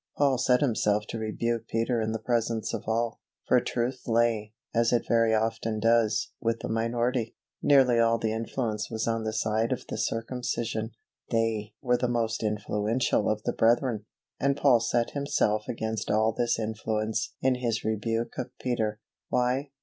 Paul set himself to rebuke Peter in the presence of all, for truth lay, as it very often does, with the minority; nearly all the influence was on the side of the circumcision. They were the most influential of the brethren, and Paul set himself against all this influence in his rebuke of Peter. Why?